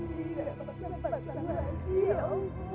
ibu keberatan nih aisyah